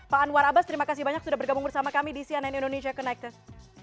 pak anwar abbas terima kasih banyak sudah bergabung bersama kami di cnn indonesia connected